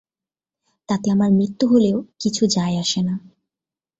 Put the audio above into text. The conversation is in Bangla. তাতে আমার মৃত্যু হলেও কিছু যায় আসে না।